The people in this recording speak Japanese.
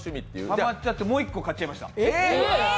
ハマっちゃって、もう１個買っちゃいました。